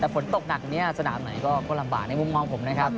แต่ฝนตกหนักเนี่ยสนามไหนก็ลำบากในมุมมองผมนะครับ